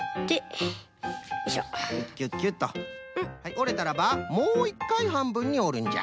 おれたらばもう１かいはんぶんにおるんじゃ。